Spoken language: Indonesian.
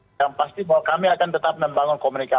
jadi yang pasti kami akan tetap membangun komunikasi